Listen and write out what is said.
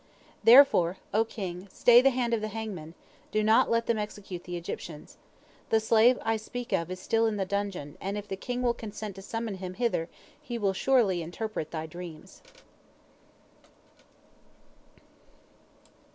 Therefore, O king, stay the hand of the hangmen, let them not execute the Egyptians. The slave I speak of is still in the dungeon, and if the king will consent to summon him hither, he will surely interpret thy dreams."